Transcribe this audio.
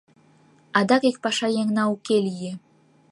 Адак ик пашаеҥна уке лие.